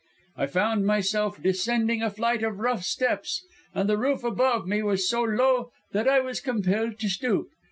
"I found myself descending a flight of rough steps, and the roof above me was so low that I was compelled to stoop.